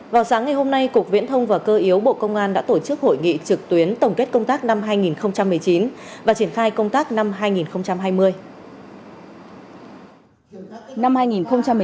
vào sáng ngày hôm nay cục viễn thông và cơ yếu bộ công an đã tổ chức hội nghị trực tuyến tổng kết công tác năm hai nghìn một mươi chín và triển khai công tác năm hai nghìn hai mươi